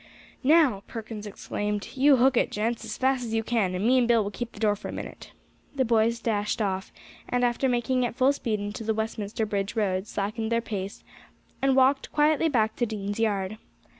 "Now," Perkins exclaimed, "you hook it, gents, as fast as you can; me and Bill will keep the door for a minute." The boys dashed off, and after making at full speed into the Westminster Bridge Road, slackened their pace, and walked quietly back to Dean's Yard.